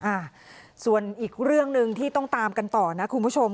อ่าส่วนอีกเรื่องหนึ่งที่ต้องตามกันต่อนะคุณผู้ชม